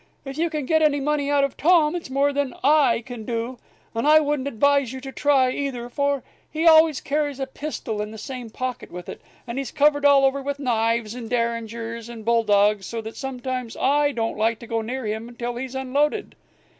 If you can get any money out of Tom it's more than I can do. And I wouldn't advise you to try, either; for he always carries a pistol in the same pocket with it, and he's covered all over with knives and derringers and bull dogs, so that sometimes I don't like to go near him till he's unloaded.